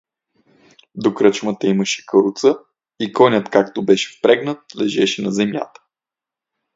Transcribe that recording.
До кръчмата имаше каруца и конят, както беше впрегнат, лежеше на земята.